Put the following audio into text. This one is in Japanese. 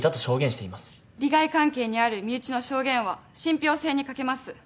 利害関係にある身内の証言は信ぴょう性に欠けます。